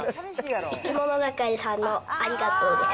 いきものがかりさんのありがとうです。